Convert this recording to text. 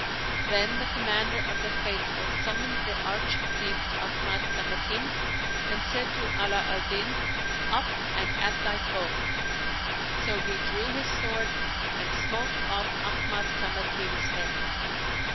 Then the Commander of the Faithful summoned the arch thief Ahmad Kamakim and said to Ala al Din, " Up and at thy foe !" So he drew his sword and smote off Ahmad Kamakim's head.